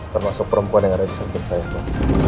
termasuk perempuan yang ada di samping saya pak